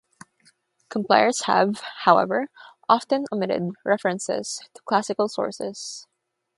Compilers have, however, often omitted reference to classical sources.